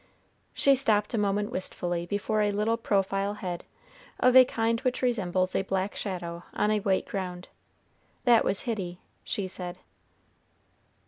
She stopped a moment wistfully before a little profile head, of a kind which resembles a black shadow on a white ground. "That was Hitty!" she said.